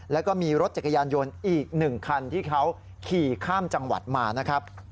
แล้วก็มีรถจักรยานยนต์อีก๑คันที่เขาขี่ข้ามจังหวัดมานะครับ